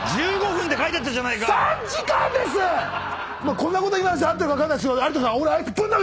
こんなこと今の時代に合ってるか分かんないですが有田さん俺。